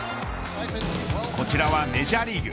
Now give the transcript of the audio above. こちらはメジャーリーグ。